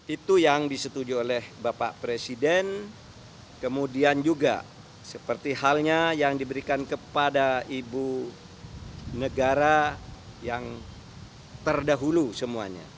itu yang disetujui oleh bapak presiden kemudian juga seperti halnya yang diberikan kepada ibu negara yang terdahulu semuanya